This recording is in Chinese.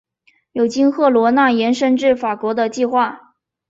有经赫罗纳延伸至法国的计划。